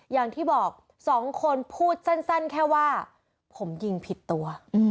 อย่างที่บอกสองคนพูดสั้นแค่ว่าผมยิงผิดตัว